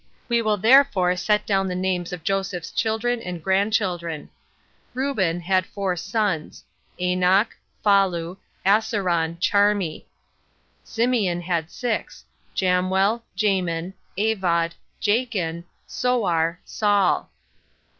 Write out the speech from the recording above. We will therefore set down the names of Jacob's children and grandchildren. Reuben had four sons Anoch, Phallu, Assaron, Charmi. Simeon had six Jamuel, Jamin, Avod, Jachin, Soar, Saul.